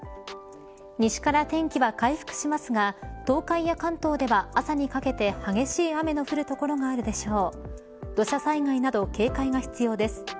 西から天気は回復しますが東海や関東では朝にかけて激しい雨の降る所があるでしょう。